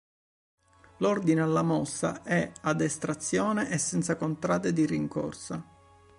L'ordine alla mossa è ad estrazione e senza contrade di rincorsa.